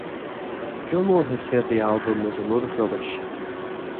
Gilmour has said the album was a load of rubbish.